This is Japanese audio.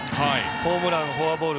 ホームラン、フォアボール